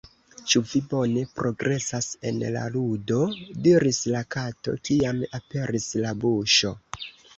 "Ĉu vi bone progresas en la ludo?" diris la Kato, kiam aperis la buŝo.